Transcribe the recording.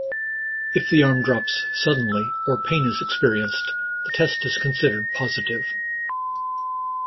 If the arm drops suddenly or pain is experienced, the test is considered positive.